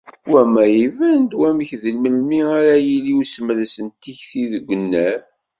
War ma iban-d wamek d melmi ara yili usemres n tikti deg unnar.